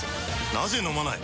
なぜ飲まない？